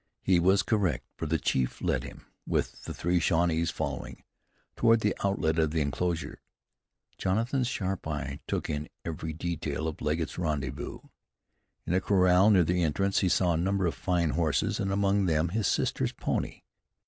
He was correct, for the chief led him, with the three Shawnees following, toward the outlet of the enclosure. Jonathan's sharp eye took in every detail of Legget's rendezvous. In a corral near the entrance, he saw a number of fine horses, and among them his sister's pony.